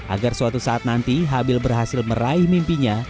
agar suatu saat nanti habil berhasil meraih mimpinya